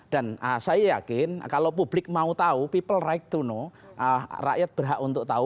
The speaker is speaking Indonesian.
dan saya yakin kalau publik mau tahu people right to know rakyat berhak untuk tahu